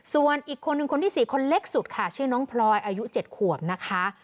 ส่วนอีกคนนึงคนที่๔คนเล็กสุดค่ะชื่อน้องพลอยอายุ๗ขวบนะคะ